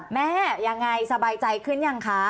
แม่ยังไงสบายใจขึ้นยังคะ